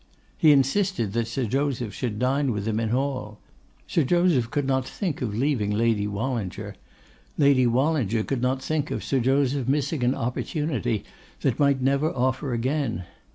He insisted that Sir Joseph should dine with him in hall; Sir Joseph could not think of leaving Lady Wallinger; Lady Wallinger could not think of Sir Joseph missing an opportunity that might never offer again.